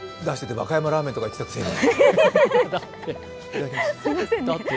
和歌山ラーメンとか言ってたくせに。